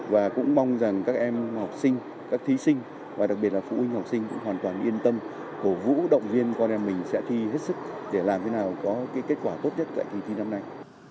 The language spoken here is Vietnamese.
và cũng mong rằng các em học sinh các thí sinh và đặc biệt là phụ huynh học sinh cũng hoàn toàn yên tâm cổ vũ động viên con em mình sẽ thi hết sức để làm thế nào có kết quả tốt nhất tại kỳ thi năm nay